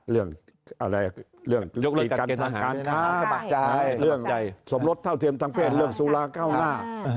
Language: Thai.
เรื่องยกรดการเก็บทางการสมรสเท่าเทียมทางเพศเรื่องสุราเก้าหน้า